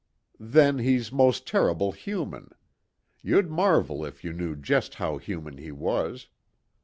Then he's most terrible human. You'd marvel if you knew just how human he was.